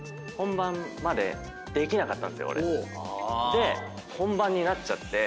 で本番になっちゃって。